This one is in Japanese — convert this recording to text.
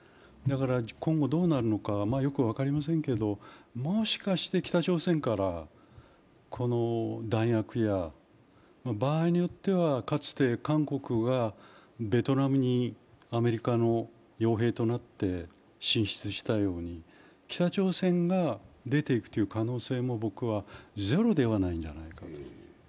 今後どうなるのかよく分かりませんけれども、もしかして北朝鮮から、弾薬や場合によっては、かつて韓国がベトナムにアメリカの傭兵となって進出したように北朝鮮が出ていくという可能性もゼロではないんではないかと。